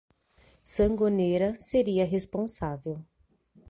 Sangonera seria responsável.